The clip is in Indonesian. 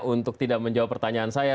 untuk tidak menjawab pertanyaan saya